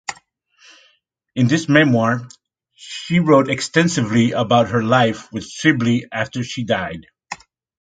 In this memoir she wrote extensively about her life with Sibley after she died.